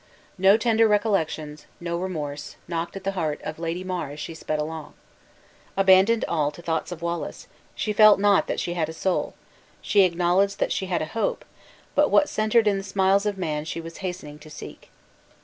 No tender recollections, no remorse, knocked at the heart of Lady mar as she sped along. Abandoned all to thoughts of Wallace, she felt not that she had a soul; she acknowledged not that she had a hope, but what centered in the smiles of the man she was hastening to seek.